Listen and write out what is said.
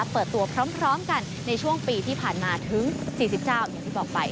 เปิดตัวพร้อมกันในช่วงปีที่ผ่านมาถึง๔๙อย่างที่บอกไป